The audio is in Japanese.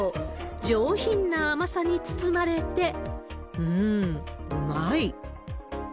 上品な甘さに包まれて、うーん、うまい。